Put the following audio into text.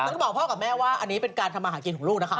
แล้วก็บอกพ่อกับแม่ว่าอันนี้เป็นการทำมาหากินของลูกนะคะ